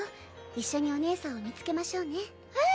一緒にお姉さんを見つけましょううん！